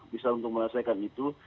bisa untuk menyelesaikan itu